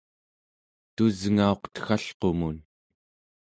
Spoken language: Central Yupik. tusngauq teggalqumun